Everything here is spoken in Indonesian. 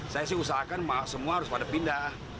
saya sih usahakan semua harus pada pindah